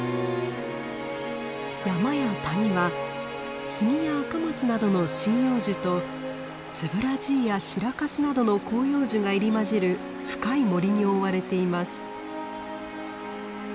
山や谷はスギやアカマツなどの針葉樹とツブラジイやシラカシなどの広葉樹が入り交じる深い森に覆われています。